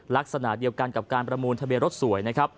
ลักษณะเดียวกันกับการประมูลทะเบียนรถสวยนะครับ